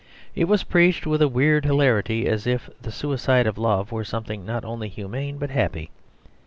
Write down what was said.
It was preached with a weird hilarity, as if the suicide of love were something not only humane but happy.